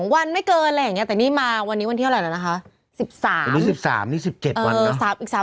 วันไม่เกินอะไรอย่างนี้แต่นี่มาวันนี้วันที่เท่าไหร่แล้วนะคะ